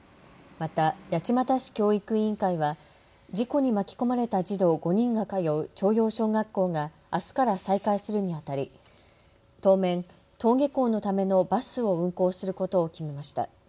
また八街市教育委員会は事故に巻き込まれた児童５人が通う朝陽小学校があすから再開するにあたり当面、登下校のためのバスを運行することを決めました。